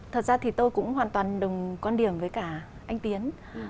thật ra thì tôi cũng hoàn toàn đồng quan điểm với cả anh tiến